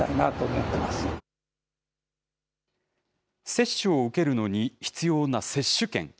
接種を受けるのに必要な接種券。